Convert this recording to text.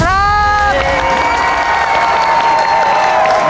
โอ้โห